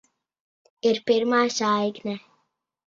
Ir pirmā saikne.